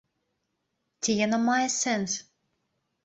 Ці яна мае сэнс?